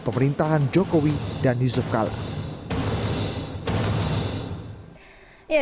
pemerintahan jokowi dan yusuf kala